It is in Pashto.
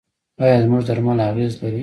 آیا زموږ درمل اغیز لري؟